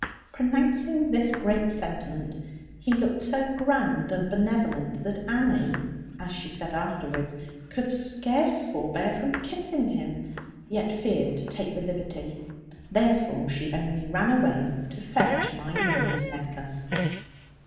Pronouncing this great sentiment, he looked so grand and benevolent, that Annie (as she said afterwards) could scarce forbear from kissing him, yet feared to take the liberty. Therefore, she only ran away to fetch my Lorna's necklace.